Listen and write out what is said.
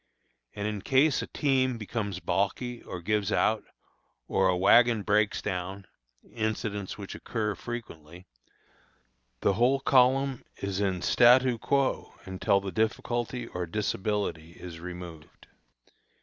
And in case a team becomes balky or gives out, or a wagon breaks down (incidents which occur frequently), the whole column is in statu quo until the difficulty or disability is removed.